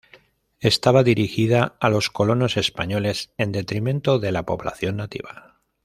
Estaba dirigida a los colonos españoles, en detrimento de la población nativa.